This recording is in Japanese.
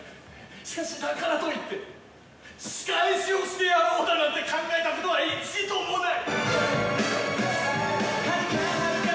しかしだからといって仕返しをしてやろうだなんて考えたことは一度もない！」